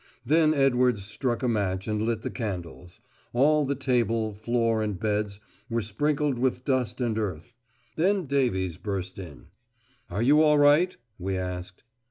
Then Edwards struck a match and lit the candles; all the table, floor, and beds were sprinkled with dust and earth. Then Davies burst in. "Are you all right?" we asked.